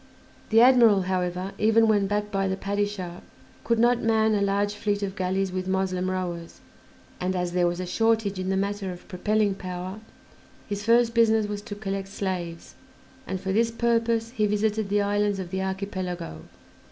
The admiral, however, even when backed by the Padishah, could not man a large fleet of galleys with Moslem rowers, and, as there was a shortage in the matter of propelling power, his first business was to collect slaves, and for this purpose he visited the islands of the Archipelago.